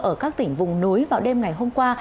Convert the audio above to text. ở các tỉnh vùng núi vào đêm ngày hôm qua